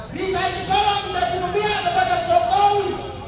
bisa juga tidak cuma mempihak kepada jokowi